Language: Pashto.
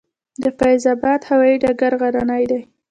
د فیض اباد هوايي ډګر غرنی دی